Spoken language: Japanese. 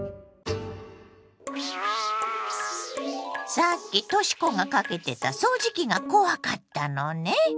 さっきとし子がかけてた掃除機が怖かったのね。